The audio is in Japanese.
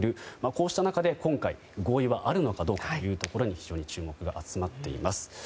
こうした中で今回合意はあるのかどうかというところに非常に注目が集まっています。